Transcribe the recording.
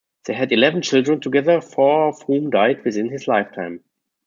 They had eleven children together, four of whom died within his lifetime.